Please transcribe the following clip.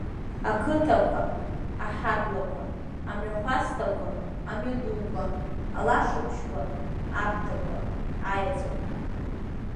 Ақыҭақәа, аҳаблақәа, амҩахәасҭақәа, амҩадуқәа, алашбыжьқәа, аԥҭақәа, аеҵәақәа…